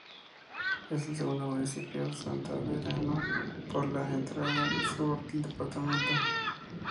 Es el segundo Municipio santandereano por la entrada sur del Departamento.